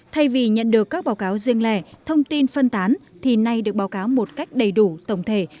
thay vì nhận được các báo cáo riêng lẻ thông tin phân tán thì nay được báo cáo một cách đầy đủ tổng thể